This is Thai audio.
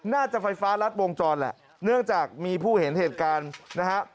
น่าจะไฟฟ้ารัดวงจรแหละเนื่องจากมีผู้เห็นเหตุการณ์นะฮะ